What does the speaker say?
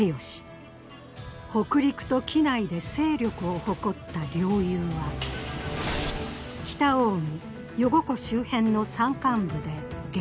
北陸と畿内で勢力を誇った両雄は北近江余呉湖周辺の山間部で激突した。